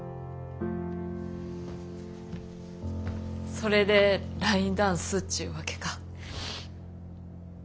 それでラインダンスっちゅうわけか。